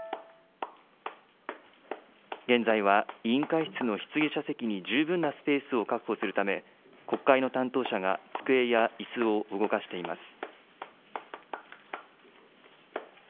現在は委員会室の質疑者席に十分なスペースを確保するため、国会の担当者が机やいすを動かしています。